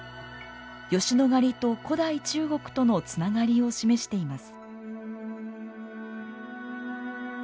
吉野ヶ里と古代中国とのつながりを示しています。